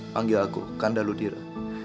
panggil aku kanda ludira